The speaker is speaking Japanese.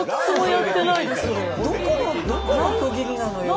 どこの区切りなのよ。